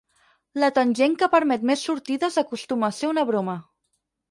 La tangent que permet més sortides acostuma a ser una broma.